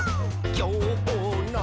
「きょうの」